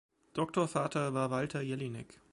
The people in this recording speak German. Doktorvater war Walter Jellinek.